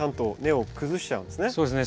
そうですね。